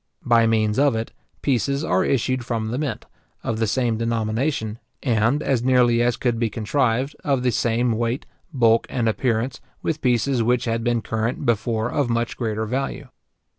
By means of it, pieces are issued from the mint, of the same denomination, and, as nearly as could be contrived, of the same weight, bulk, and appearance, with pieces which had been current before of much greater value.